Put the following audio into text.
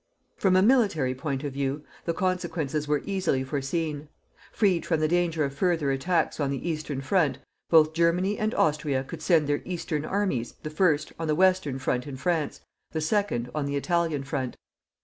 From a military point of view, the consequences were easily foreseen. Freed from the danger of further attacks on the eastern front, both Germany and Austria could send their eastern armies, the first, on the western front in France, the second, on the Italian front.